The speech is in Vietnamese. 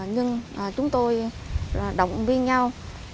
nhưng chúng tôi động viên nhau